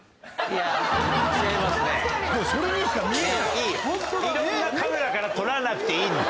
いろんなカメラから撮らなくていいの。